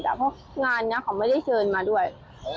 เจ้าของงานก็ไม่ได้เชิญ